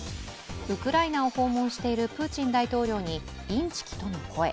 ウクライナを訪問しているプーチン大統領に「インチキ」の声。